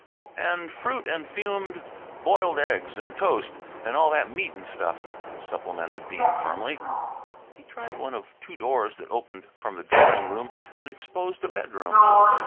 "And fruit and fumed ... boiled eggs and toast and all that meat and stuff," supplemented Bean firmly. He tried one of two doors that opened from the drawing room and exposed a bedroom.